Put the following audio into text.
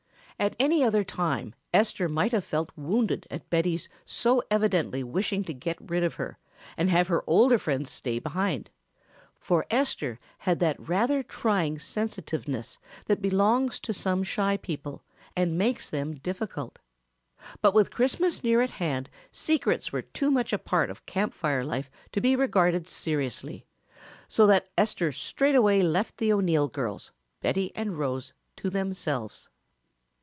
At any other time Esther might have felt wounded at Betty's so evidently wishing to get rid of her and have her older friends stay behind (for Esther had that rather trying sensitiveness that belongs to some shy people and makes them difficult), but with Christmas near at hand secrets were too much a part of Camp Fire life to be regarded seriously, so that Esther straightway left the O'Neill girls, Betty and Rose, to themselves.